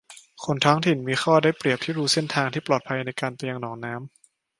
คนท้องถิ่นมีข้อได้เปรียบที่รู้เส้นทางที่ปลอดภัยในการไปยังหนองน้ำ